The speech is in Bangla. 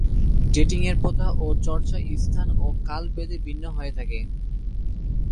ডেটিং এর প্রথা ও চর্চা স্থান ও কাল ভেদে ভিন্ন হয়ে থাকে।